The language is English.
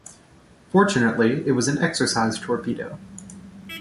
Fortunately, it was an exercise torpedo.